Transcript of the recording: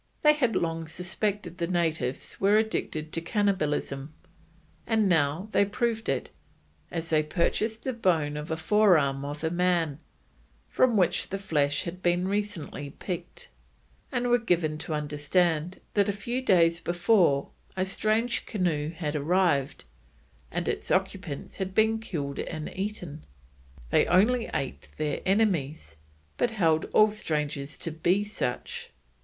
They had long suspected the natives were addicted to cannibalism, and now they proved it, as they purchased the bone of a forearm of a man, from which the flesh had been recently picked, and were given to understand that a few days before a strange canoe had arrived, and its occupants had been killed and eaten. They only ate their enemies, but held all strangers to be such.